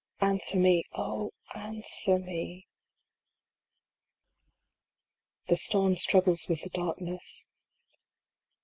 Answer me Oh, answer me ! IV. The Storm struggles with the Darkness.